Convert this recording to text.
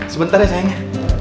sebentar ya sayangnya